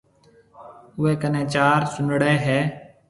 اوَي ڪنَي چار چونڙَي هيَ۔